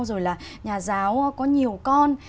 rồi là nhà giáo có nhiều con